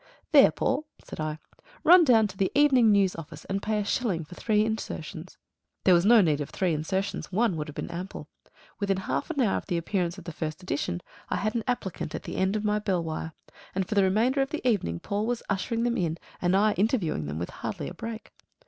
"There, Paul," said I, "run down to the Evening News office, and pay a shilling for three insertions." There was no need of three insertions. One would have been ample. Within half an hour of the appearance of the first edition, I had an applicant at the end of my bell wire, and for the remainder of the evening Paul was ushering them in and I interviewing them with hardly a break.